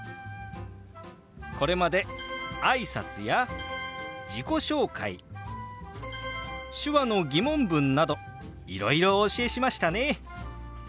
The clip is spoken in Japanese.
これまで挨拶や自己紹介手話の疑問文などいろいろお教えしましたね。